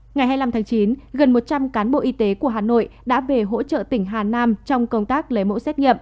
ngày hai mươi năm tháng chín gần một trăm linh cán bộ y tế của hà nội đã về hỗ trợ tỉnh hà nam trong công tác lấy mẫu xét nghiệm